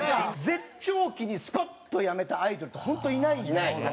絶頂期にスパッとやめたアイドルって本当いないんですよ。